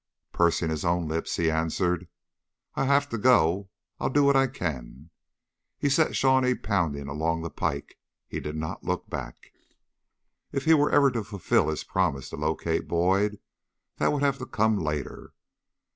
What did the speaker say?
Pursing his own lips, he answered. "I have to go. I'll do what I can." He set Shawnee pounding along the pike, and he did not look back. If he were ever to fulfill his promise to locate Boyd, that would have to come later.